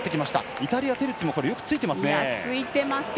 イタリア、テルツィもよくついていますね。